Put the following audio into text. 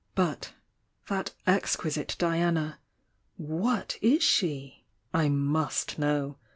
But— that exquisite Diana! What is she? I must know!